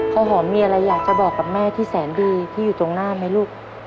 ข้าวหอมมีอะไรอยากจะบอกกับแม่ที่แสนดีที่อยู่ตรงหน้าไหมลูก